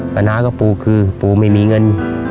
ตอนนั้นก็ปูคือปูไม่มีเงิน